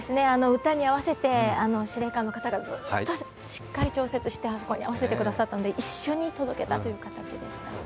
歌に合わせて、司令官の方がしっかり調節してあそこに合わせてくださったので一緒に届けたっていう感じです。